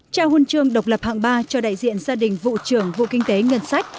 trao huân chương độc lập hạng ba cho đại diện gia đình vụ trưởng vụ kinh tế ngân sách